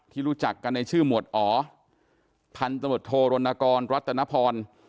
รู้จักกันในชื่อหมวดอ๋อพันธมตโทรนกรรัตนพร